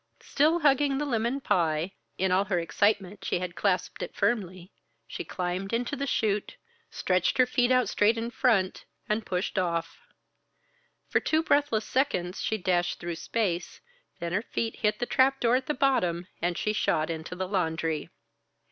Still hugging the lemon pie in all her excitement she had clasped it firmly she climbed into the chute, stretched her feet out straight in front, and pushed off. For two breathless seconds she dashed through space, then her feet hit the trap door at the bottom, and she shot into the laundry.